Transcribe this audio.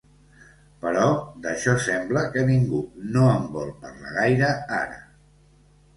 Però d’això sembla que ningú no en vol parlar gaire ara.